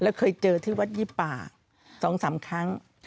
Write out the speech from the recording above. แล้วเคยเจอที่วัดยี่ป่า๒๓ครั้ง